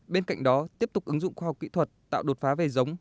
bên cạnh đó tiếp tục ứng dụng khoa học kỹ thuật tạo đột phá về giống